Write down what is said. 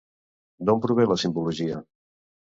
D'on prové la simbologia?